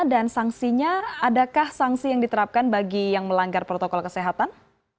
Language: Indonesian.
dan sangsinya adakah sangsi yang diterapkan bagi yang melanggar protokol kesehatan